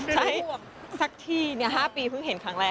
สักที่๕ปีเพิ่งเห็นครั้งแรก